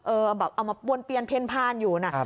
แบบเอามาป้วนเปลี่ยนเพ่นพานอยู่นะ